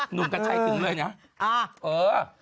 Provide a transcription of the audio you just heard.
หนุ่มก็ใช้ถึงเลยเนี่ย